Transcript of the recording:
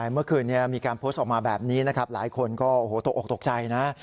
เมื่อคืนมีการโพสต์ออกมาแบบนี้หลายคนก็ตกออกตกใจนะ